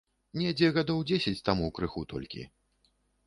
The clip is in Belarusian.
Недзе гадоў дзесяць таму крыху толькі.